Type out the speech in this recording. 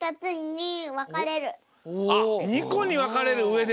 あっ２こにわかれるうえで。